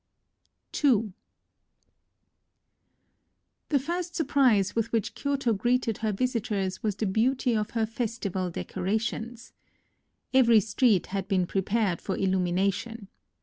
II The first surprise with which Kyoto greeted her visitors was the beauty of her festival decorations. Every street had been prepared for illumination.